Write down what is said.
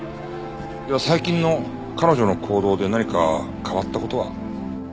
では最近の彼女の行動で何か変わった事は？